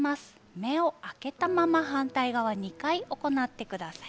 目を開けたまま反対側２回、行ってください。